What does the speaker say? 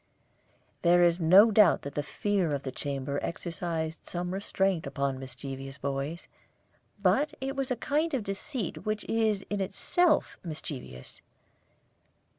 There is no doubt that the fear of the chamber exercised some restraint upon mischievous boys. But it was a kind of deceit which is in itself mischievous.